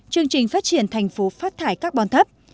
chương trình phát triển thành phố phát thải carbon thấp